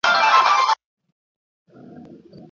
د سمندر سینه پراخه ده